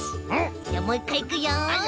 じゃあもういっかいいくよ！